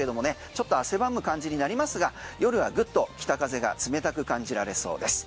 ちょっと汗ばむ感じになりますが夜はぐっと北風が冷たく感じられそうです。